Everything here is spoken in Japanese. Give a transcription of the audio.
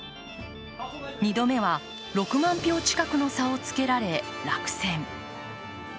２度目は６万票近くの差をつけられ落選。